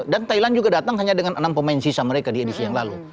dan mereka juga datang dengan enam pemain sisa mereka di edisi yang lalu